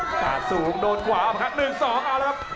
สาดสูงโดนขวาออกมาครับ๑๒เอาแล้วครับ